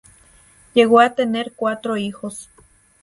Llegó a tener cuatro hijos.